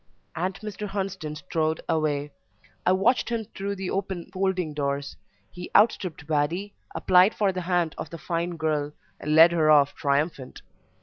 And Mr. Hunsden strode away. I watched him through the open folding doors; he outstripped Waddy, applied for the hand of the fine girl, and led her off triumphant.